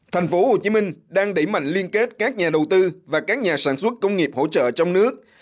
thành phố hồ chí minh đang đẩy mạnh liên kết các nhà đầu tư và các nhà sản xuất công nghiệp hỗ trợ trong nước